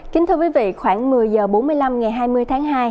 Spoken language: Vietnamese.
kính thưa quý vị khoảng một mươi h bốn mươi năm ngày hai mươi tháng hai